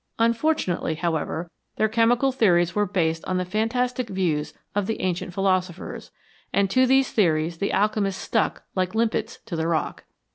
Unfortunately, however, their chemical theories were based on the fantastic views of the ancient philo sophers, and to these theories the alchemists stuck like limpets to the rock.